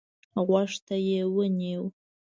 غوږ ته يې ونيو.